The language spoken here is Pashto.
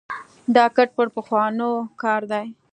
دا کټ مټ پخوانو کار دی.